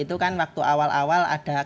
itu kan waktu awal awal ada kaitan gnpf